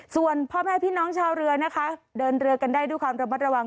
ส่วนพ่อแม่พี่น้องชาวเรือนะคะเดินเรือกันได้ด้วยความระมัดระวัง